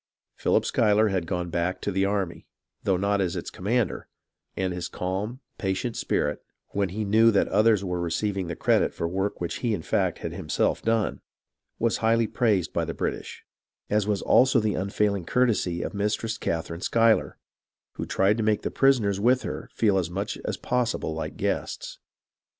Philip Schuyler had gone back to the army, though not as its commander ; and his calm, patient spirit, when he knew that others were receiving the credit for work which in fact he had himself done, was highly praised by the British, as was also the unfailing courtesy of Mistress Catherine Schuyler, who tried to make the prisoners with her feel as much as possible like guests.